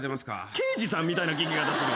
刑事さんみたいな聞き方するやん。